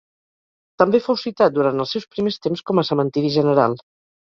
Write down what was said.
També fou citat, durant els seus primers temps com a Cementiri General.